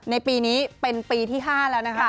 ในปีนี้เป็นปีที่๕แล้วนะคะ